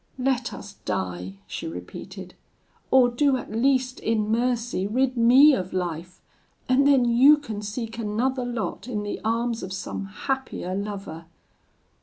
Let us die,' she repeated, 'or do at least in mercy rid me of life, and then you can seek another lot in the arms of some happier lover.'